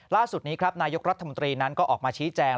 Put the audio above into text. ล่าสุดนี้ครับนายกรัฐมนตรีนั้นก็ออกมาชี้แจง